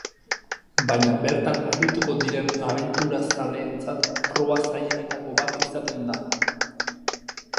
Baina bertan arituko diren abenturazaleentzat proba zailenetako bat izaten da.